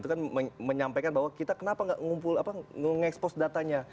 itu kan menyampaikan bahwa kita kenapa nggak mengumpul meng expose datanya